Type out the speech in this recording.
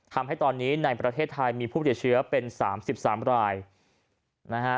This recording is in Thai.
ทำให้ตอนนี้ในประเทศไทยมีผู้ติดเชื้อเป็น๓๓รายนะฮะ